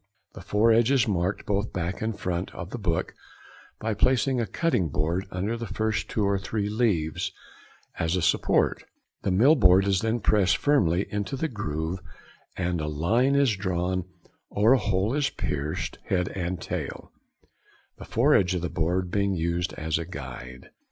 The foredge is marked both back and front of the book by placing a cutting board under the first two or three leaves as a support; the mill board is then pressed firmly into the groove and a line is drawn or a hole is pierced head and tail, the foredge of the board being used as a guide.